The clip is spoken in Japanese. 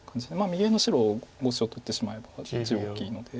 右上の白５子を取ってしまえば地は大きいので。